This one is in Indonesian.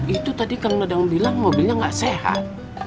itu tadi kang nedang bilang mobilnya nggak sehat